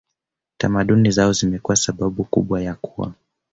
tamaduni zao zimekuwa sababu kubwa ya kuwa